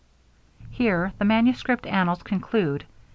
Here the manuscript annals conclude.